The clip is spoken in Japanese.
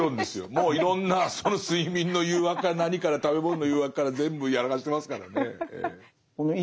もういろんな睡眠の誘惑から何から食べ物の誘惑から全部やらかしてますからねええ。